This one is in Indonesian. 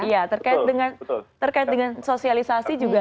iya terkait dengan sosialisasi juga